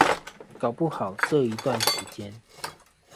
搞不好這一段期間